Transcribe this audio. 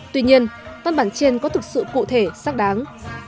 tuy nhiên văn bản trên có thực sự cụ thể xác đáng